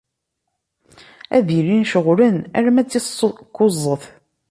Ad ilin ceɣlen arma d tis kuẓet.